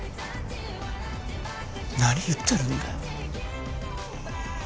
何言ってるんだよ。